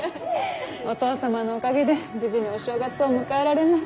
お義父様のおかげで無事にお正月を迎えられます。